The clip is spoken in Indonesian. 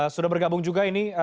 sudah bergabung juga ini